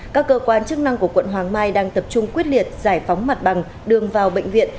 các cơ quan chức năng của quận hoàng mai đang tập trung quyết liệt giải phóng mặt bằng đường vào bệnh viện